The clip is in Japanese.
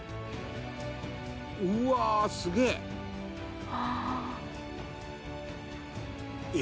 「うわすげえ！」